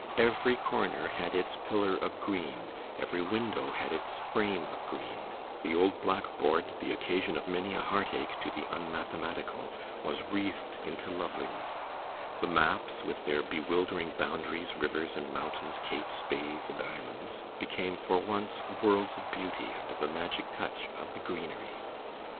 Every corner had its pillar of green, every window had its frame of green, the old blackboard, the occasion of many a heartache to the unmathematical, was wreathed into loveliness; the maps, with their bewildering boundaries, rivers and mountains, capes, bays and islands, became for once worlds of beauty under the magic touch of the greenery.